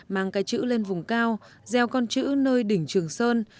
mang cái chữ lên vùng cao gieo con chữ nơi đỉnh trường sơn